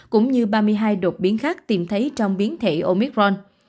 cũng như ba mươi hai đột biến khác tìm thấy trong biến thể omicron